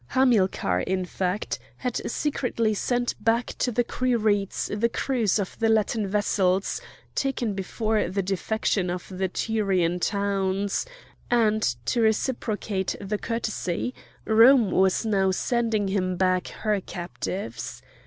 Hamilcar, in fact, had secretly sent back to the Quirites the crews of the Latin vessels, taken before the defection of the Tyrian towns; and, to reciprocate the courtesy, Rome was now sending him back her captives.